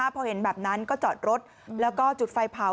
พอเห็นแบบนั้นก็จอดรถแล้วก็จุดไฟเผา